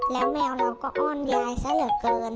แล้วแมวเราก็อ้อนยายซะเหลือเกิน